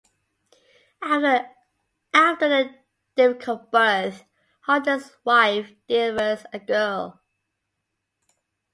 After a difficult birth, Haldar's wife delivers a girl.